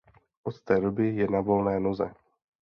Od té doby je na volné noze.